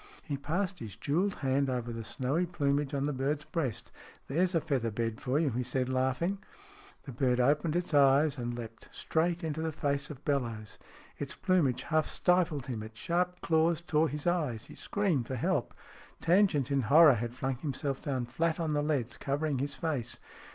He passed his jewelled hand over the snowy plumage on the bird's breast. " There's a feather bed for you," he said, laughing. The bird opened its eyes, and leaped straight into the face of Bellowes. Its plumage half stifled him, its sharp claws tore his eyes. He screamed for help. Tangent, in horror, had flung himself down flat on the leads, covering his face.